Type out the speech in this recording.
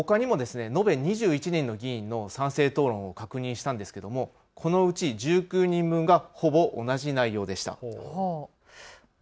ほかにも延べ２１人の議員の賛成討論を確認したんですがこのうち１９人分がほぼ同じ内容でした。